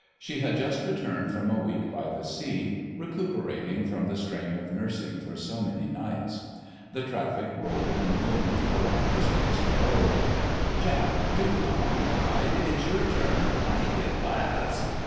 She had just returned from a week by the sea, recuperating from the strain of nursing for so many nights. The traffic rolled and boomed along the streets below. "Jack! Do come on and hide. It's your turn. I hid last."